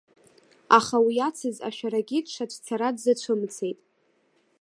Аха уи иацыз ашәарагьы дшацәцара дзацәымцеит.